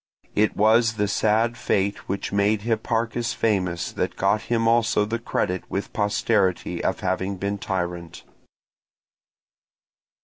It was the sad fate which made Hipparchus famous that got him also the credit with posterity of having been tyrant.